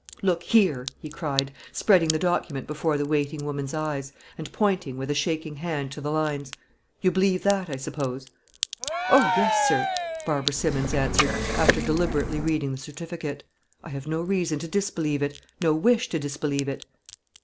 "Look here," he cried, spreading the document before the waiting woman's eyes, and pointing, with a shaking hand, to the lines. "You believe that, I suppose?" "O yes, sir," Barbara Simmons answered, after deliberately reading the certificate. "I have no reason to disbelieve it; no wish to disbelieve it."